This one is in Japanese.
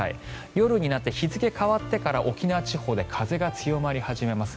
夜になって日付が変わってから沖縄地方で風が強まり始めます。